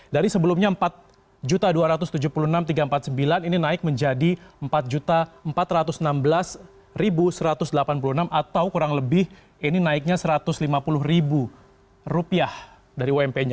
dari sebelumnya rp empat dua ratus tujuh puluh enam tiga ratus empat puluh sembilan ini naik menjadi rp empat empat ratus enam belas satu ratus delapan puluh enam atau kurang lebih ini naiknya rp satu ratus lima puluh dari ump nya